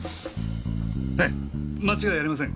ええ間違いありません